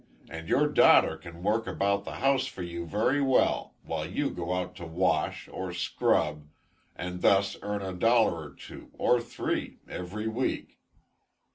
And your daughter can work about the house for you very well, while you go out to wash, or scrub, and thus earn a dollar or two, or three, every week.